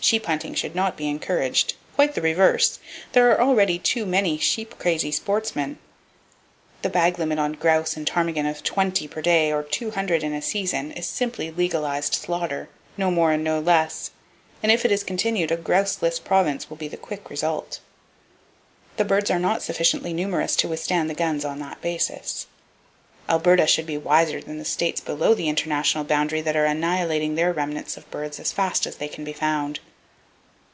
Sheep hunting should not be encouraged—quite the reverse! There are already too many sheep crazy sportsmen. The bag limit on grouse and ptarmigan of 20 per day or 200 in a season is simply legalized slaughter, no more and no less, and if it is continued, a grouseless province will be the quick result. The birds are not [Page 356] sufficiently numerous to withstand the guns on that basis. Alberta should be wiser than the states below the international boundary that are annihilating their remnants of birds as fast as they can be found.